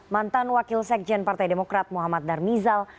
mantan wakil sekjen partai demokrat muhammad darmizal